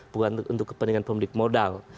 bukan untuk kepentingan pemilik modal